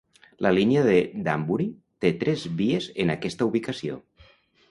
La línia de Danbury té tres vies en aquesta ubicació.